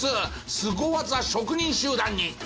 スゴ技職人集団に。